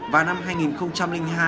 và năm hai nghìn hai